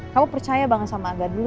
kamu percaya banget sama angga dulu